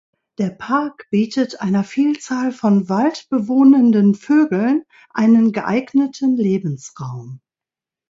Der Park bietet einer Vielzahl von Wald bewohnenden Vögeln einen geeigneten Lebensraum.